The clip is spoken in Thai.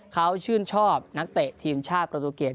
เขาชื่นชอบนักเตะทีมชาติประตูเกม